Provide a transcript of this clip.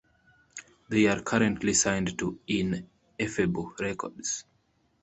They are currently signed to Ineffable Records.